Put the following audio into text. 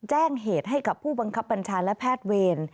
แจ้งเหตุให้กับผู้บังคับบัญชาและแพทย์เวร